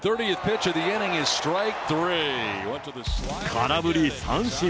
空振り三振。